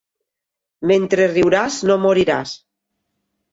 Mentre riuràs no moriràs.